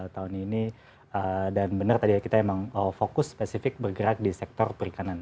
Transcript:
tahun ini dan benar tadi ya kita emang fokus spesifik bergerak di sektor perikanan